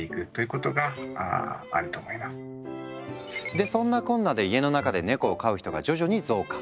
でそんなこんなで家の中でネコを飼う人が徐々に増加。